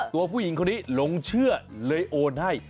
ผู้หญิงคนนี้หลงเชื่อเลยโอนให้